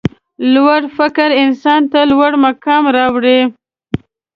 لوړ فکر انسان ته لوړ مقام راوړي.